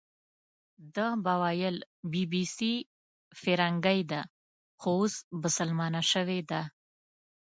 ده به ویل چې بي بي سي فیرنګۍ وه، خو اوس بسلمانه شوې ده.